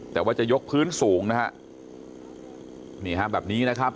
แต่ว่าจะยกพื้นสูงนะฮะนี่ฮะแบบนี้นะครับ